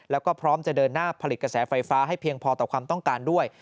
แล้วก็พร้อมจะเดินหน้าผลิตกระแสไฟฟ้าให้เพียงพอต่อความต้องการด้วย